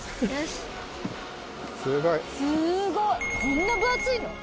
「すごい！こんな分厚いの？」